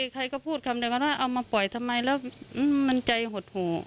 ใครก็พูดคำเดียวกันว่าเอามาปล่อยทำไมแล้วมันใจหดหู